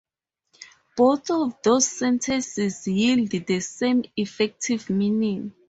Both of these sentences yield the same effective meaning.